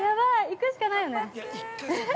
行くしかないよね◆